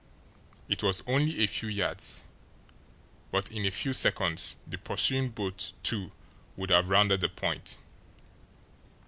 It was only a few yards but in a few SECONDS the pursuing boat, too, would have rounded the point.